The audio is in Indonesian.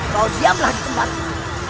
kau diamlah di tempat ini